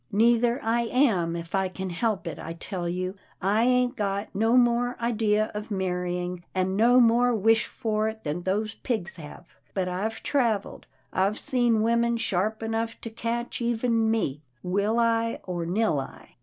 " Neither I am, if I can help it. I tell you, I ain't got no more idea of marrying, and no more wish for it, than those pigs have; but I've trav elled. I've seen women sharp enough to catch even me, will I, or nill I.